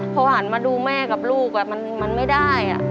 พอหันมาดูแม่กับลูกมันไม่ได้